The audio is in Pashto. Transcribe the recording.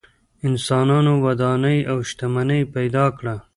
انسانانو ودانۍ او شتمنۍ پیدا کړه.